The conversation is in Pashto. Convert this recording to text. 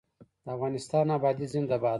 د افغانستان ابادي زنده باد.